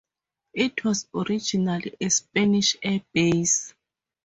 It was originally a Spanish air base.